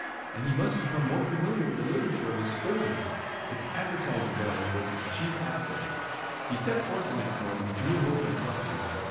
And he must become more familiar with the literature of his folder. Its advertising value was his chief asset. He set forth the next morning with new hope and confidence.